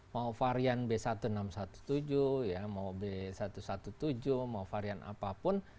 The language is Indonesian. mau varian b seribu enam ratus tujuh belas mau b satu satu tujuh mau varian apapun